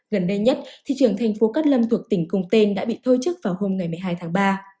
gần đây nhất thị trường thành phố cát lâm thuộc tỉnh cùng tên đã bị thôi chức vào hôm ngày một mươi hai tháng ba